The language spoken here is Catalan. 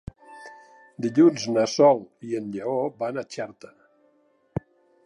Dilluns na Sol i en Lleó van a Xerta.